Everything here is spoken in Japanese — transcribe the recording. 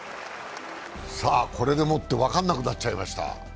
さあ、これでもって分からなくなっちゃいました。